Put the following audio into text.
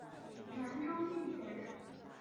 南州密县人。